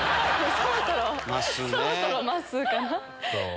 そろそろまっすーかな。